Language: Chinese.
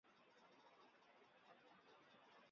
范睢肋骨介为粗面介科肋骨介属下的一个种。